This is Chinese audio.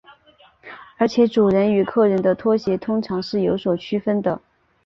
而且主人与客人的拖鞋通常是有所区分的。